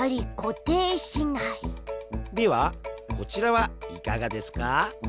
ではこちらはいかがですか？